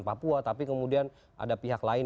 papua tapi kemudian ada pihak lain